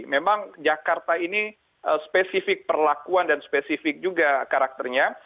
memang jakarta ini spesifik perlakuan dan spesifik juga karakternya